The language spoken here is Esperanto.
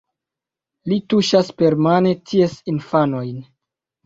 Li tuŝas permane ties infanojn.